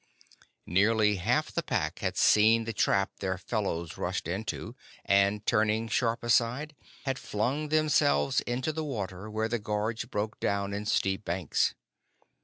Nearly half the pack had seen the trap their fellows rushed into, and turning sharp aside had flung themselves into the water where the gorge broke down in steep banks.